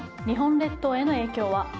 日本列島への影響は。